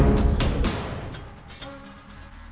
ini kalau aku lihat kitab itu